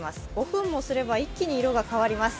５分もすれば一気に色が変わります。